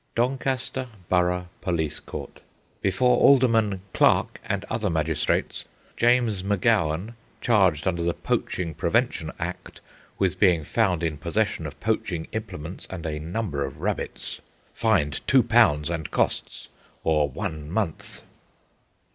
Doncaster Borough Police Court. Before Alderman Clark and other magistrates. James M'Gowan, charged under the Poaching Prevention Act with being found in possession of poaching implements and a number of rabbits. Fined £2 and costs, or one month.